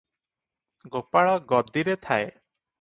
ଗୋପାଳ ଗଦିରେ ଥାଏ ।